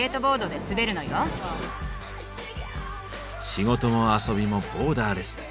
仕事も遊びもボーダーレス。